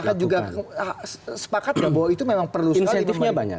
itu akan juga sepakat prabowo itu memang perlu sekali